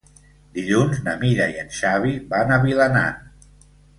Dilluns na Mira i en Xavi van a Vilanant.